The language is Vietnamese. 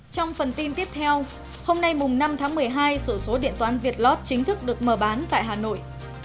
trong phần tin tiếp theo hôm nay năm tháng một mươi hai sổ số điện toán việt lót chính thức được mở bán tại hà nội